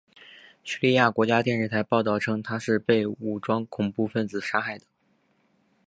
叙利亚国家电视台报道称他是被武装恐怖分子杀害的。